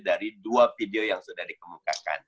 dari dua video yang sudah dikemukakan